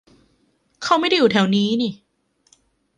เขาไม่ได้อยู่แถวนี้นี่